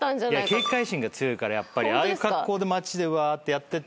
警戒心が強いからやっぱりああいう格好で街でわーってやってて。